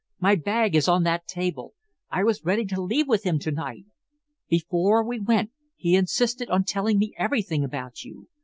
My bag is on that table. I was ready to leave with him to night. Before we went, he insisted on telling me everything about you.